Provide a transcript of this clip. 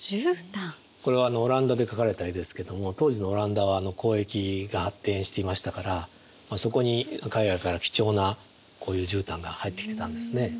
これはオランダで描かれた絵ですけども当時のオランダは交易が発展していましたからそこに海外から貴重なこういうじゅうたんが入ってきてたんですね。